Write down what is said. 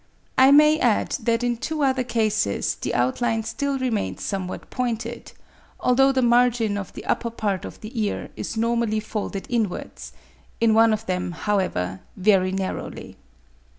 I may add that in two other cases the outline still remains somewhat pointed, although the margin of the upper part of the ear is normally folded inwards—in one of them, however, very narrowly.